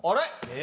え！